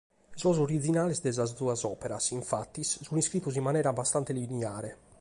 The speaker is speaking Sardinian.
Sos originales de sas duas òperas, infatis, sunt iscritos in manera bastante liniare.